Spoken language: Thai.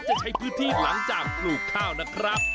จะใช้พื้นที่หลังจากปลูกข้าวนะครับ